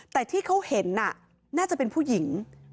แต่ที่เขาเห็นน่าจะเป็นผู้หญิง